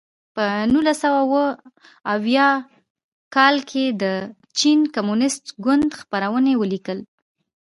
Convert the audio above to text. په نولس سوه اووه اویا کال کې د چین کمونېست ګوند خپرونې ولیکل.